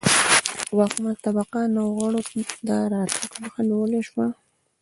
واکمنه طبقه نویو غړو د راتګ مخه نیولای شوه